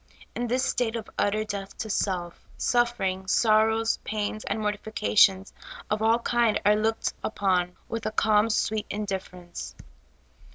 In this state of utter death to self, suffering, sorrows, pains, and mortifications of all kind are looked upon with a calm, sweet indifference.